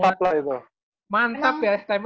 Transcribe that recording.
mantap lah itu mantap ya tem